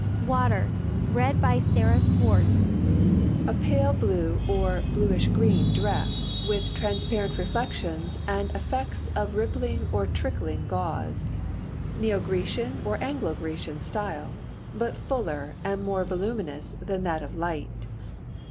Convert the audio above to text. WATER. A pale blue or bluish green dress, with transparent reflections and effects of rippling or trickling gauze, Neo Grecian or Anglo Grecian style. but fuller and more voluminous than that of LIGHT.